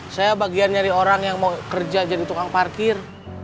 saya bagian nyari orang yang mau kerja jadi tukang parkir